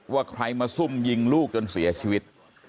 ว่าใครมาซุ่มยิงลูกจนเสียชีวิต